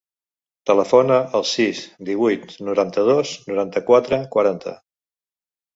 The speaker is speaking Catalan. Telefona al sis, divuit, noranta-dos, noranta-quatre, quaranta.